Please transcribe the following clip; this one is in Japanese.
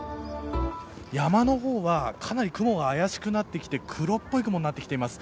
山の方はかなり雲が怪しくなってきて黒っぽい雲になってきています。